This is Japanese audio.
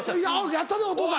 「やったぞお父さん！」。